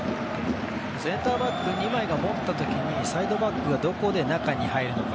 センターバック２枚が持った時サイドバックがどこで中に入るのか